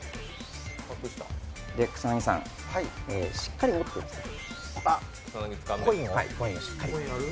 草薙さん、しっかり持ってくださいコインを？